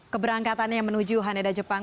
keberangkatannya menuju haneda jepang